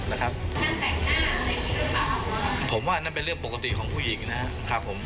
นะครับผมว่านั่นเป็นเรื่องปกติของผู้หญิงนะครับผม